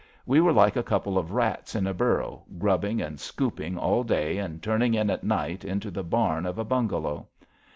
We were like a couple of rats in a burrow, grubbing and scooping all day and turning in at night into the bam of a bungalow.